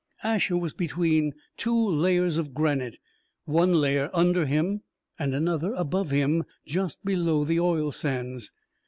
Asher was between two layers of granite one layer under him, and another above him, just below the oil sands.